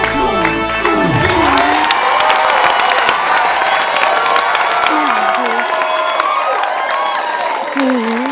ใส่ใส่